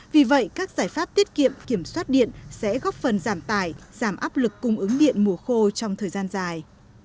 vì vậy các giải pháp tiết kiệm kiểm soát điện sẽ góp phần giảm tài giảm áp lực cung ứng điện mùa khô trong thời gian dài